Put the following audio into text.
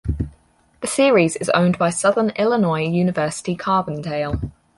The series is owned by Southern Illinois University Carbondale.